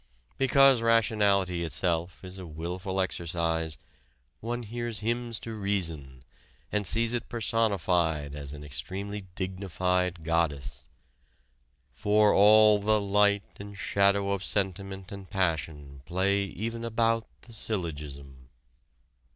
Because rationality itself is a wilful exercise one hears Hymns to Reason and sees it personified as an extremely dignified goddess. For all the light and shadow of sentiment and passion play even about the syllogism.